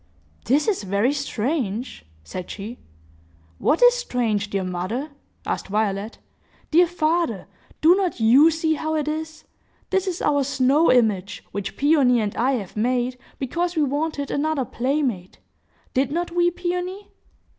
"This is very strange!" said she. "What is strange, dear mother?" asked Violet. "Dear father, do not you see how it is? This is our snow image, which Peony and I have made, because we wanted another playmate. Did not we, Peony?"